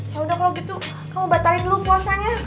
yaudah kalo gitu kamu batalin dulu puasanya